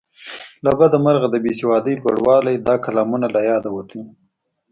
له بده مرغه د بې سوادۍ لوړوالي دا کلامونه له یاده وتلي.